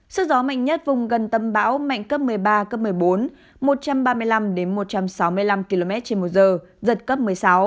sức gió mạnh nhất vùng gần tâm bão mạnh cấp một mươi ba cấp một mươi bốn một trăm ba mươi năm một trăm sáu mươi năm km trên một giờ giật cấp một mươi sáu